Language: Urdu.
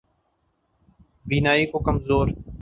بینائی کو کمزور